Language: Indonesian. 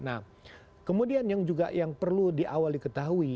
nah kemudian yang juga yang perlu diawali ketahui